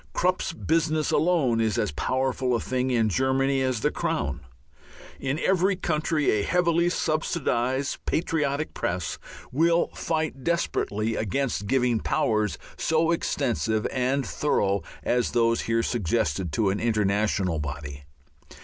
Krupp's business alone is as powerful a thing in Germany as the Crown. In every country a heavily subsidized "patriotic" press will fight desperately against giving powers so extensive and thorough as those here suggested to an international body.